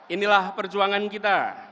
inilah perjuangan kita